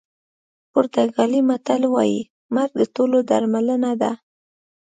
پرتګالي متل وایي مرګ د ټولو درملنه ده.